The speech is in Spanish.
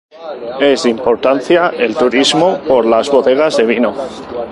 Es de importancia el turismo por las bodegas de vino.